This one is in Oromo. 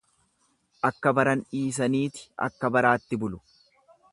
Akka baran dhiisaniiti akka baraatti bulu.